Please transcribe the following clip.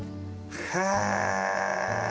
へえ！